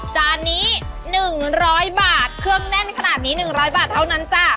จานนี้หนึ่งร้อยบาทเครื่องแน่นขนาดนี้หนึ่งร้อยบาทเท่านั้นจ้ะ